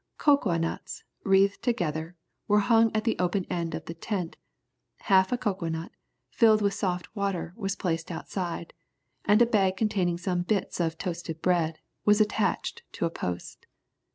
Cocoa nuts, wreathed together, were hung at the open end of the tent; half a cocoa nut, filled with soft water, was placed outside, and a bag containing some bits of toasted bread, was attached to a post.